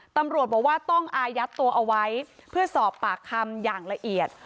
ตำรวจบอกว่าต้องอายัดตัวเอาไว้เพื่อสอบปากคำอย่างละเอียด